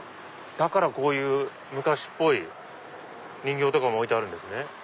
だからこういう昔っぽい人形も置いてあるんですね。